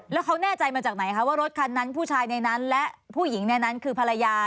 แล้วเขาแน่ใจมาจากไหนคะว่ารถคันนั้นผู้ชายในนั้นและผู้หญิงในนั้นคือภรรยา